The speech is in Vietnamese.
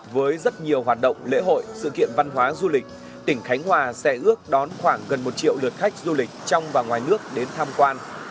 với rất nhiều hoạt động lễ hội sự kiện văn hóa du lịch tỉnh khánh hòa sẽ ước đón khoảng gần một triệu lượt khách du lịch trong và ngoài nước đến tham quan